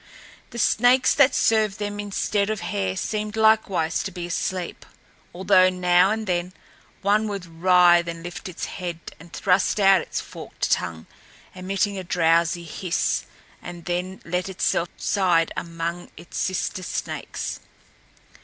The snakes that served them instead of hair seemed likewise to be asleep, although now and then one would writhe and lift its head and thrust out its forked tongue, emitting a drowsy hiss, and then let itself subside among its sister snakes.